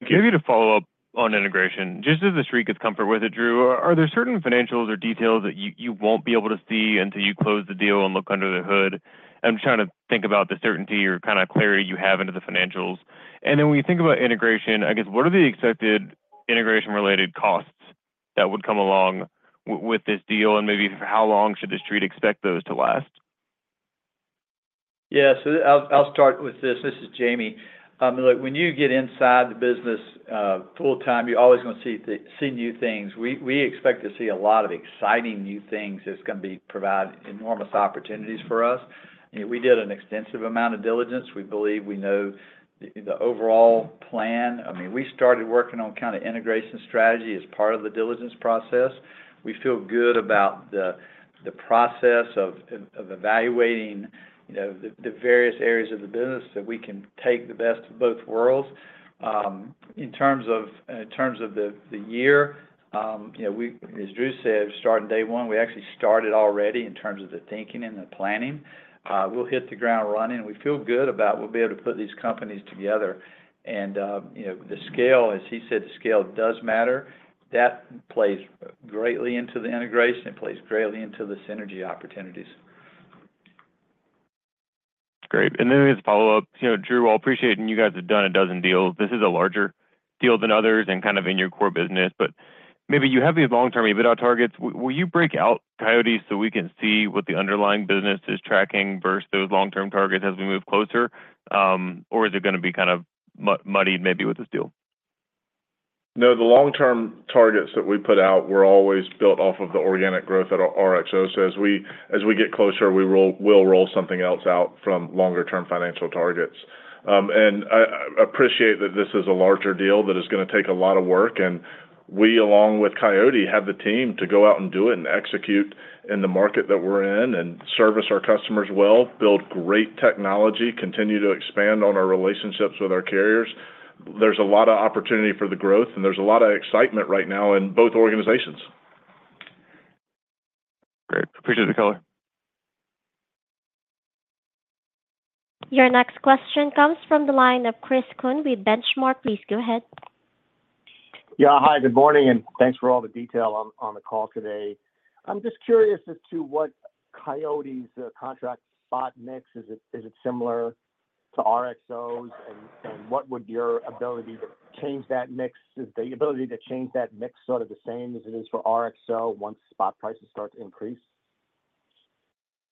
Maybe to follow up on integration, just as the Street gets comfort with it, Drew, are there certain financials or details that you won't be able to see until you close the deal and look under the hood? I'm trying to think about the certainty or kind of clarity you have into the financials. And then when you think about integration, I guess, what are the expected integration-related costs that would come along with this deal? And maybe how long should the Street expect those to last? Yeah, so I'll start with this. This is Jamie. Look, when you get inside the business full time, you're always going to see new things. We expect to see a lot of exciting new things that's gonna be providing enormous opportunities for us. We did an extensive amount of diligence. We believe we know the overall plan. I mean, we started working on kind of integration strategy as part of the diligence process. We feel good about the process of evaluating, you know, the various areas of the business, that we can take the best of both worlds. In terms of the year, you know, as Drew said, starting day one, we actually started already in terms of the thinking and the planning. We'll hit the ground running, and we feel good about we'll be able to put these companies together. And, you know, the scale, as he said, the scale does matter. That plays greatly into the integration. It plays greatly into the synergy opportunities. Great. And then as a follow-up, you know, Drew, I appreciate, and you guys have done a dozen deals. This is a larger deal than others and kind of in your core business, but maybe you have these long-term EBITDA targets. Will you break out Coyote so we can see what the underlying business is tracking versus those long-term targets as we move closer? Or is it gonna be kind of muddied maybe with this deal? No, the long-term targets that we put out were always built off of the organic growth at RXO. So as we get closer, we'll roll something else out from longer-term financial targets. And I appreciate that this is a larger deal that is gonna take a lot of work, and we, along with Coyote, have the team to go out and do it and execute in the market that we're in and service our customers well, build great technology, continue to expand on our relationships with our carriers. There's a lot of opportunity for the growth, and there's a lot of excitement right now in both organizations. Great. Appreciate the color. Your next question comes from the line of Chris Kuhn with Benchmark. Please go ahead. Yeah, hi, good morning, and thanks for all the detail on the call today. I'm just curious as to what Coyote's contract spot mix is. Is it similar to RXO's? And what would your ability to change that mix be? Is the ability to change that mix sort of the same as it is for RXO once spot prices start to increase?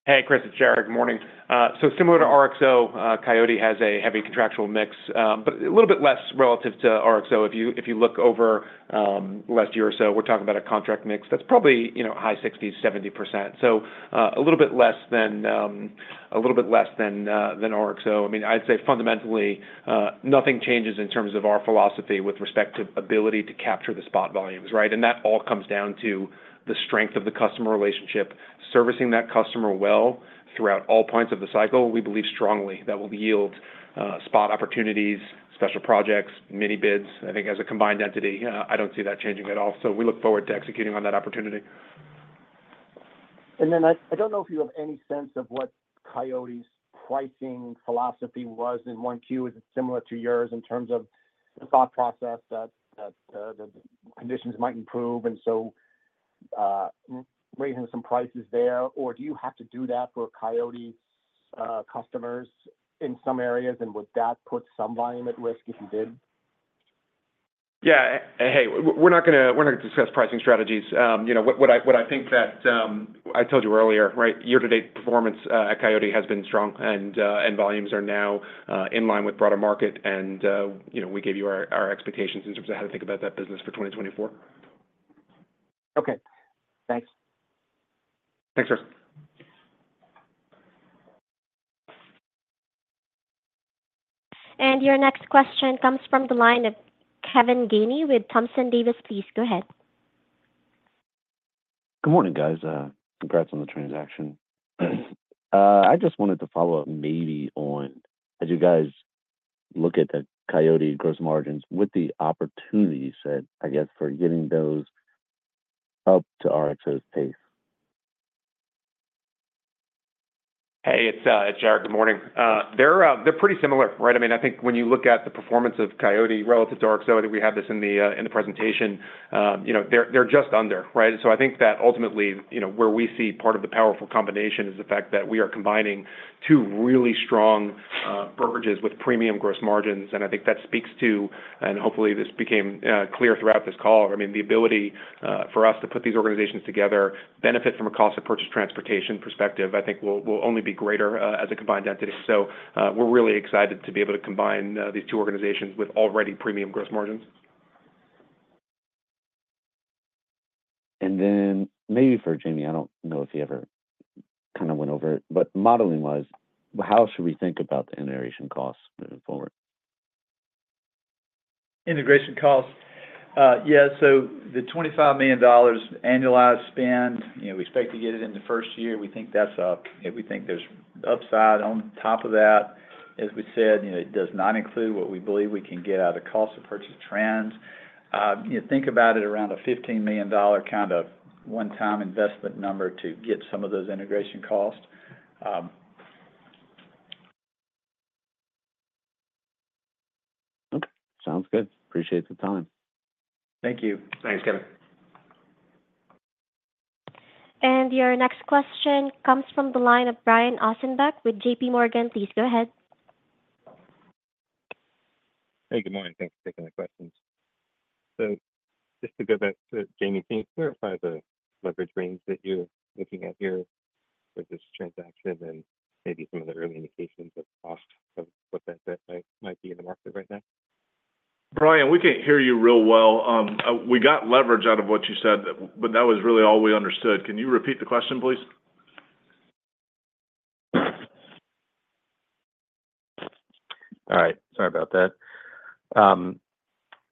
Hey, Chris, it's Jared. Good morning. So similar to RXO, Coyote has a heavy contractual mix, but a little bit less relative to RXO. If you, if you look over the last year or so, we're talking about a contract mix that's probably, you know, high 60%, 70%. So a little bit less than a little bit less than than RXO. I mean, I'd say fundamentally, nothing changes in terms of our philosophy with respect to ability to capture the spot volumes, right? And that all comes down to the strength of the customer relationship, servicing that customer well throughout all points of the cycle. We believe strongly that will yield spot opportunities, special projects, mini bids. I think as a combined entity, I don't see that changing at all. So we look forward to executing on that opportunity. And then, I don't know if you have any sense of what Coyote's pricing philosophy was in 1Q. Is it similar to yours in terms of the thought process that the conditions might improve, and so raising some prices there? Or do you have to do that for Coyote's customers in some areas, and would that put some volume at risk if you did? Yeah, and hey, we're not gonna discuss pricing strategies. You know, what I think that I told you earlier, right? Year-to-date performance at Coyote has been strong, and volumes are now in line with broader market, and you know, we gave you our expectations in terms of how to think about that business for 2024. Okay, thanks. Thanks, sir. Your next question comes from the line of Kevin Gainey with Thompson Davis. Please, go ahead. Good morning, guys. Congrats on the transaction. I just wanted to follow up maybe on, as you guys look at the Coyote gross margins, what the opportunity you said, I guess, for getting those up to RXO's pace? Hey, it's Jared. Good morning. They're pretty similar, right? I mean, I think when you look at the performance of Coyote relative to RXO, we have this in the presentation, you know, they're just under, right? So I think that ultimately, you know, where we see part of the powerful combination is the fact that we are combining two really strong brokerages with premium gross margins, and I think that speaks to and hopefully, this became clear throughout this call. I mean, the ability for us to put these organizations together, benefit from a cost of purchased transportation perspective, I think will only be greater as a combined entity. So, we're really excited to be able to combine these two organizations with already premium gross margins. And then maybe for Jamie, I don't know if he ever kind of went over it, but modeling-wise, how should we think about the integration costs moving forward? Integration costs? Yeah, so the $25 million annualized spend, you know, we expect to get it in the first year. We think that's, we think there's upside on top of that. As we said, you know, it does not include what we believe we can get out of cost of purchase trans. You think about it, around a $15 million kind of one-time investment number to get some of those integration costs. Okay, sounds good. Appreciate the time. Thank you. Thanks, Kevin. Your next question comes from the line of Brian Ossenbeck with JPMorgan. Please go ahead. Hey, good morning. Thanks for taking my questions. So just to go back to Jamie, can you clarify the leverage range that you're looking at here with this transaction and maybe some of the early indications of cost of what that might be in the market right now? Brian, we can't hear you real well. We got leverage out of what you said, but that was really all we understood. Can you repeat the question, please? All right. Sorry about that.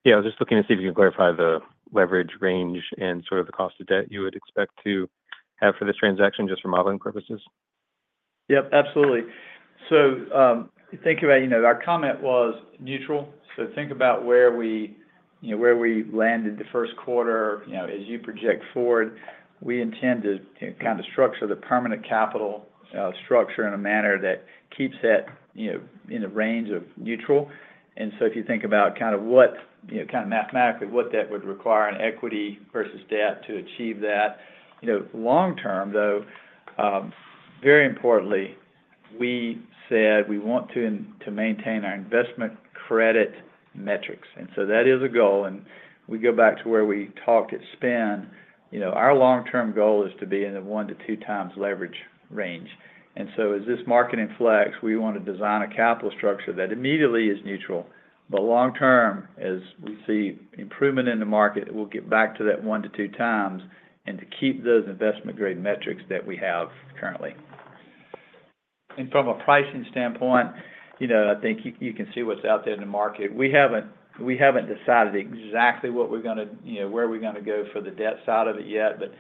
Yeah, I was just looking to see if you can clarify the leverage range and sort of the cost of debt you would expect to have for this transaction, just for modeling purposes. Yep, absolutely. So, if you think about, you know, our comment was neutral. So think about where we, you know, where we landed the first quarter. You know, as you project forward, we intend to kind of structure the permanent capital structure in a manner that keeps that, you know, in the range of neutral. And so if you think about kind of what, you know, kind of mathematically, what that would require in equity versus debt to achieve that. You know, long term, though, very importantly, we said we want to maintain our investment credit metrics, and so that is a goal, and we go back to where we talked at spend. You know, our long-term goal is to be in a 1x-2x leverage range. As this market influx, we want to design a capital structure that immediately is neutral. But long term, as we see improvement in the market, we'll get back to that 1x-2x and to keep those investment-grade metrics that we have currently. And from a pricing standpoint, you know, I think you can see what's out there in the market. We haven't decided exactly what we're gonna, you know, where we're gonna go for the debt side of it yet. But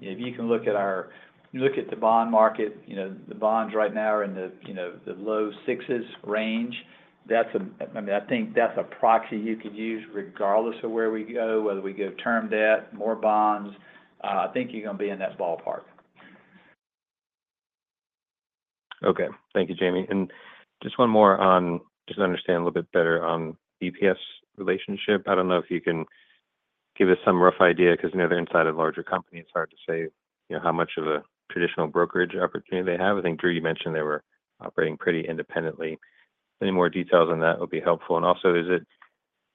if you look at our... if you look at the bond market, you know, the bonds right now are in the low 6s range. That's a, I mean, I think that's a proxy you could use regardless of where we go, whether we go term debt, more bonds, I think you're gonna be in that ballpark. Okay. Thank you, Jamie. And just one more on, just to understand a little bit better on EPS relationship. I don't know if you can give us some rough idea, because I know they're inside of larger company, it's hard to say, you know, how much of a traditional brokerage opportunity they have. I think, Drew, you mentioned they were operating pretty independently. Any more details on that would be helpful. And also, is it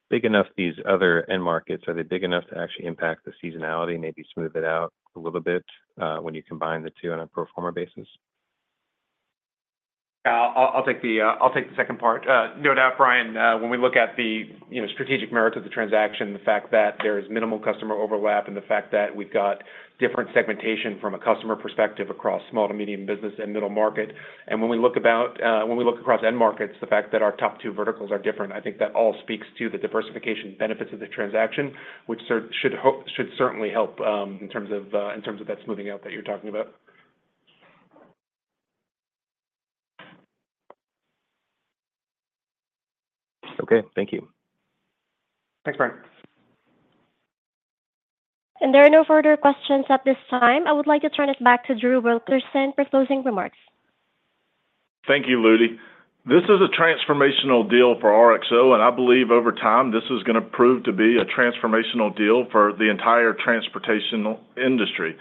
big enough, these other end markets, are they big enough to actually impact the seasonality, maybe smooth it out a little bit, when you combine the two on a pro forma basis? I'll take the second part. No doubt, Brian, when we look at the, you know, strategic merit of the transaction, the fact that there is minimal customer overlap and the fact that we've got different segmentation from a customer perspective across small to medium business and middle market. And when we look across end markets, the fact that our top two verticals are different, I think that all speaks to the diversification benefits of the transaction, which should certainly help, in terms of that smoothing out that you're talking about. Okay. Thank you. Thanks, Brian. And there are no further questions at this time. I would like to turn it back to Drew Wilkerson for closing remarks. Thank you, Ludy. This is a transformational deal for RXO, and I believe over time, this is gonna prove to be a transformational deal for the entire transportation industry.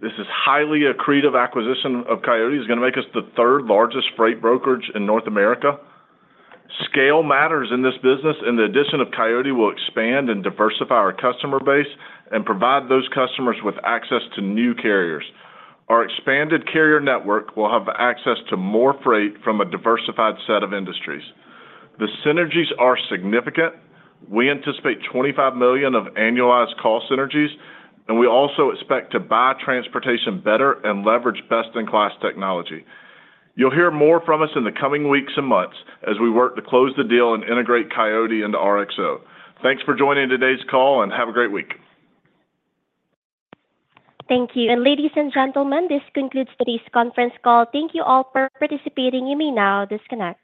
This is highly accretive acquisition of Coyote. It's gonna make us the third largest freight brokerage in North America. Scale matters in this business, and the addition of Coyote will expand and diversify our customer base and provide those customers with access to new carriers. Our expanded carrier network will have access to more freight from a diversified set of industries. The synergies are significant. We anticipate $25 million of annualized cost synergies, and we also expect to buy transportation better and leverage best-in-class technology. You'll hear more from us in the coming weeks and months as we work to close the deal and integrate Coyote into RXO. Thanks for joining today's call, and have a great week. Thank you. Ladies and gentlemen, this concludes today's conference call. Thank you all for participating. You may now disconnect.